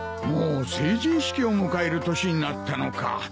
もう成人式を迎える年になったのか。